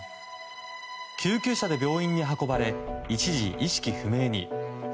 救急車で病院に運ばれ一時、意識不明に。